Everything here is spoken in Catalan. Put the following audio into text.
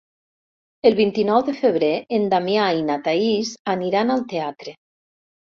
El vint-i-nou de febrer en Damià i na Thaís aniran al teatre.